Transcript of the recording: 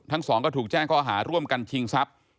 ทั้งสองก็ถูกแจ้งข้อหาร่วมกันชิงทรัพย์